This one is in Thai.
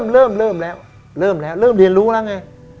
เริ่มเริ่มแล้วเริ่มเรียนรู้นะไง